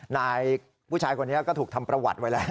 นายผู้ชายคนนี้ก็ถูกทำประวัติไว้แล้ว